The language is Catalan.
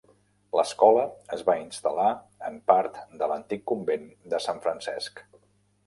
L'escola es va instal·lar en part de l'antic convent de Sant Francesc.